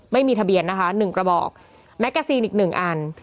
ไม่มีทะเบียนนะคะหนึ่งกระบอกแมกกาซินอีกหนึ่งอัน